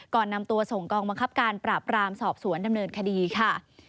ก่อนนำตัวส่งกองบังคับการปราบรามสอบสวนดำเนินคดีค่ะ